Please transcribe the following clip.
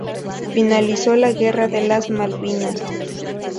Finalizó la guerra de las Malvinas.